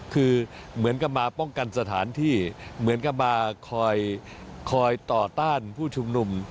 คือเหมือนกับมาป้องกันสถานที่เหมือนกับมาคอยต่อต้านผู้ชุมนุม